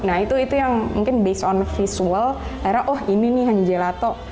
nah itu yang mungkin based on visual akhirnya oh ini nih yang gelato